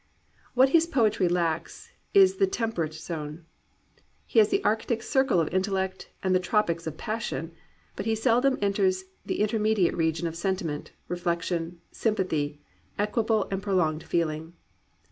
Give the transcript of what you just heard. What his poetry lacks is the temperate zone. He has the arctic circle of intellect and the tropics of passion. But he seldom enters the intermediate region of sentiment, reflection, sympathy, equable and prolonged feeling.